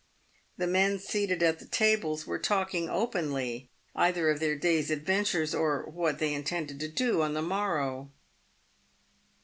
The men seated at the tables were talking openly either of their day's adventures, or what they intended to do on the morrow.